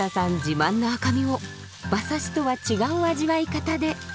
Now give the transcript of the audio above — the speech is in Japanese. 自慢の赤身を馬刺しとは違う味わい方で。